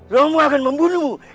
romo akan membunuhmu